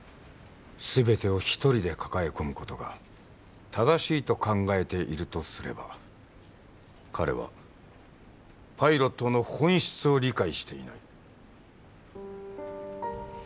全てを一人で抱え込むことが正しいと考えているとすれば彼はパイロットの本質を理解していない。